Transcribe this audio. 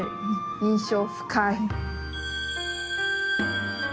印象深い。